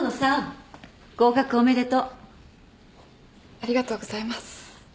ありがとうございます。